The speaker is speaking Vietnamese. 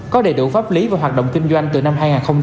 có đầy đủ pháp lý và hoạt động kinh doanh từ năm hai nghìn một mươi ba